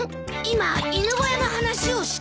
今犬小屋の話をした？